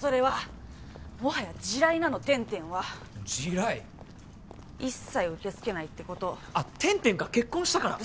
それはもはや地雷なのｔｅｎｔｅｎは地雷一切受け付けないってことあっｔｅｎｔｅｎが結婚したから？